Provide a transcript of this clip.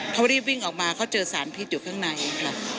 เขารีบวิ่งออกมาเขาเจอสารพิษอยู่ข้างในค่ะ